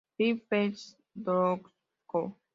Griffiths 'Western Broadcasting Co.